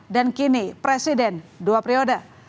dan kini presiden dua periode